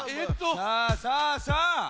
さあさあさあ！